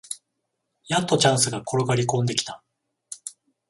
やっとチャンスが転がりこんできた